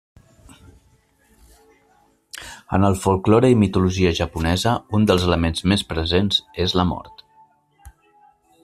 En el folklore i mitologia japonesa, un dels elements més presents és la mort.